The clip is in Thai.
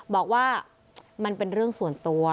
บอกว่ามันเป็นเรื่องส่วนตัว